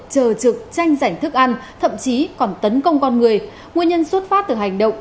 chờ trực tranh giành thức ăn thậm chí còn tấn công con người nguyên nhân xuất phát từ hành động